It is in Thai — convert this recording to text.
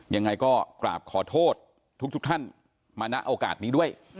ยังไงก็กราบขอโทษทุกท่านมาณโอกาสนี้ด้วย